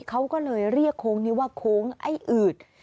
เขาก็เลยเรียกโค้งนี้ว่าโค้งไอ้อืด